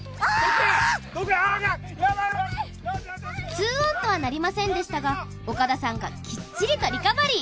２オンとはなりませんでしたが岡田さんがきっちりとリカバリー。